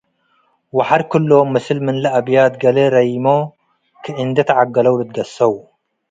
ወሐር ክሎም ምስል ምን ለአብያት ገሌ ረይሞ ከእንዴ ተዐገለው ልትጋሰው ።